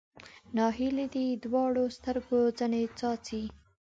ناهیلي دې دواړو سترګو ځنې څاڅي